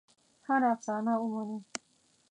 هره افسانه ومنو.